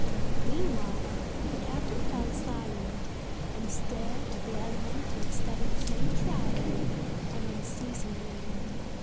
Meanwhile the captain fell silent and stared at the element he had studied so thoroughly and unceasingly.